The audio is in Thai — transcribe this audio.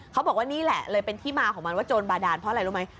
เขาบอกว่านี่แหละเลยเป็นที่มาของมันว่าโจรบาดานเพราะอะไรรู้ไหม